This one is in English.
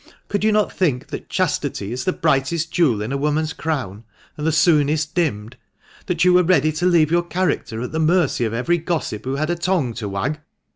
Could you not think that chastity is the brightest jewel in a woman's crown, and the soonest dimmed, that you were ready to leave your character at the mercy of every gossip who had a tongue to wag